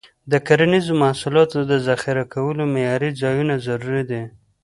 د کرنیزو محصولاتو د ذخیره کولو معیاري ځایونه ضروري دي.